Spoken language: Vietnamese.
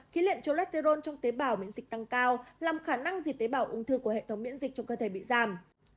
khi liện cholesterol trong tế bào miễn dịch tăng cao làm khả năng dịch tế bào ung thư của hệ thống miễn dịch trong cơ thể bị giảm